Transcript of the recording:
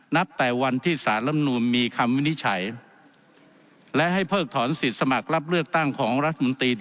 นับแต่วันที่สารลำนูนมีคำวินิจฉัยและให้เพิกถอนสิทธิ์สมัครรับเลือกตั้งของรัฐมนตรี